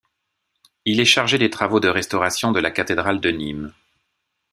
Il est chargé des travaux de restauration de la cathédrale de Nîmes.